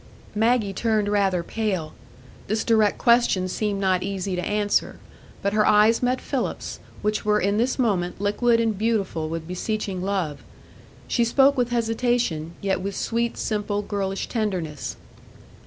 Maggie turned rather pale; this direct question seemed not easy to answer. But her eyes met Philip's, which were in this moment liquid and beautiful with beseeching love. She spoke with hesitation, yet with sweet, simple, girlish tenderness.